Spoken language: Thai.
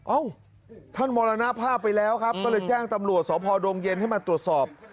เอ้าท่านมรณภาพไปแล้วครับก็เลยแจ้งตำรวจสพดงเย็นให้มาตรวจสอบ